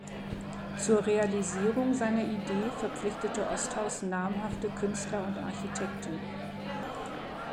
Zur Realisierung seiner Idee verpflichtete Osthaus namhafte Künstler und Architekten.